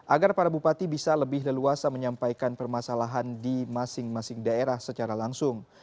agar para bupati bisa lebih leluasa menyampaikan permasalahan di masing masing daerah secara langsung